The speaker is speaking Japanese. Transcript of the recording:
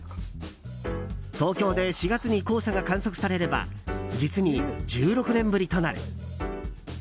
東京で４月に黄砂が観測されれば実に１６年ぶりとなる。